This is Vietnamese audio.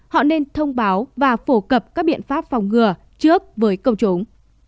họ nên thông báo và phổ cập các biện pháp phòng ngừa trước với công chúng